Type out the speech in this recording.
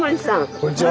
こんにちは。